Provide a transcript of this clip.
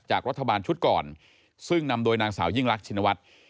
จากรัฐบาลชุดก่อนซึ่งนำโดยนางสาวยิ่งรักชินวัฒน์